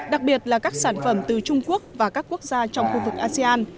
đặc biệt là các sản phẩm từ trung quốc và các quốc gia trong khu vực asean